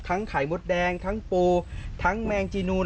ไข่มดแดงทั้งปูทั้งแมงจีนูน